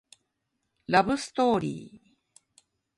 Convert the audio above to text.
ラブストーリー